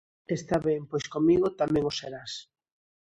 -Está ben, pois comigo tamén o serás.